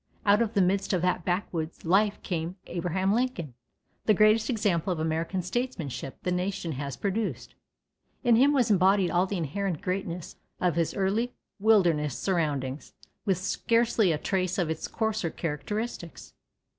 Out of the midst of that backwoods life came Abraham Lincoln, the greatest example of American statesmanship the nation has produced. In him was embodied all the inherent greatness of his early wilderness surroundings, with scarcely a trace of its coarser characteristics.